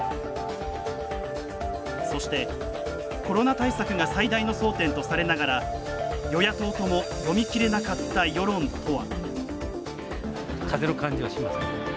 そして、コロナ対策が最大の争点とされながら与野党とも読みきれなかった世論とは。